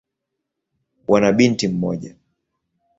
Wana binti mmoja.